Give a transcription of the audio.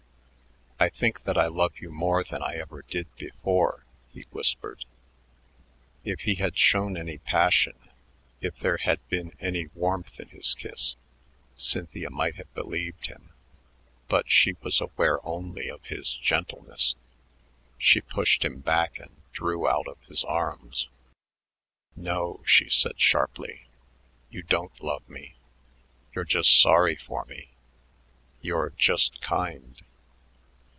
"I think that I love you more than I ever did before," he whispered. If he had shown any passion, if there had been any warmth in his kiss, Cynthia might have believed him, but she was aware only of his gentleness. She pushed him back and drew out of his arms. "No," she said sharply; "you don't love me. You're just sorry for me.... You're just kind."